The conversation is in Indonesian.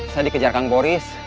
saya dikejar kang boris